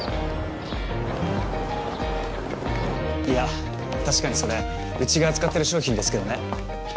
いや確かにそれうちが扱ってる商品ですけどね。